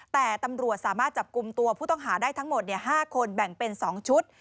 แต่ตำรวจสามารถจับกลุ่มตัวผู้ต้องหาได้ทั้งหมด๕คนแบ่งเป็น๒ชุด